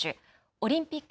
オリンピック